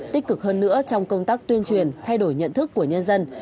tích cực hơn nữa trong công tác tuyên truyền thay đổi nhận thức của nhân dân